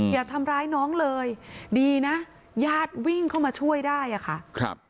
อย่าทำร้ายน้องเลยดีนะญาติวิ่งเข้ามาช่วยได้อะค่ะครับ